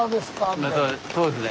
そうですね。